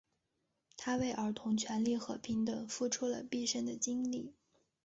他为儿童权利和平等付出了毕生的精力。